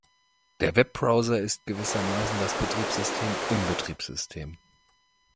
Der Webbrowser ist gewissermaßen das Betriebssystem im Betriebssystem.